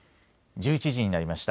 １１時になりました。